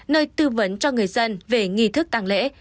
nơi tư vấn cho người dân về nghi thức tàng lễ